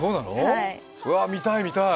うわあ見たい、見たい！